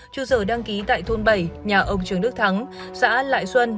trụ sở đăng ký tại thôn bảy nhà ông trường đức thắng xã lại xuân